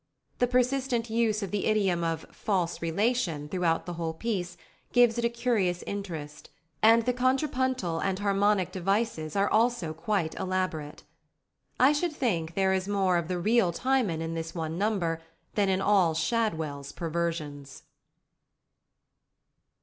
The persistent use of the idiom of "false relation" throughout the whole piece gives it a curious interest; and the contrapuntal and harmonic devices are also quite elaborate. I should think there is more of the real Timon in this one number than in all Shadwell's perversions.